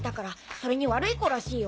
それに悪い子らしいよ。